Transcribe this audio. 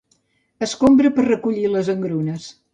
Escombra per a recollir les engrunes.